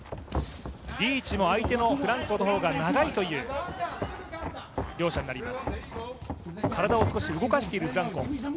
リーチも相手のフランコの方が長いという両者になります。